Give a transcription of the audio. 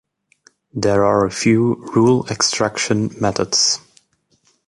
There are a few rule-extraction methods.